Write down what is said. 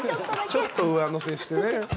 ちょっと上乗せしてね。